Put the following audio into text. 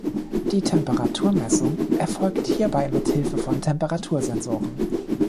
Die Temperaturmessung erfolgt hierbei mit Hilfe von Temperatursensoren.